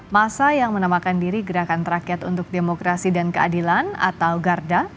masa yang menamakan diri gerakan rakyat untuk demokrasi dan keadilan atau garda